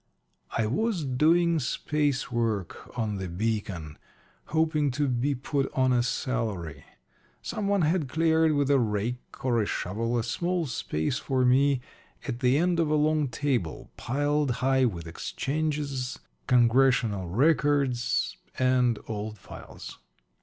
I was doing space work on the Beacon, hoping to be put on a salary. Some one had cleared with a rake or a shovel a small space for me at the end of a long table piled high with exchanges, Congressional Records, and old files.